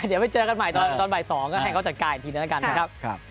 เดี๋ยวไปเจอกันใหม่ตอนบ่าย๒ก็ให้เขาจัดการอีกทีหนึ่งแล้วกันนะครับ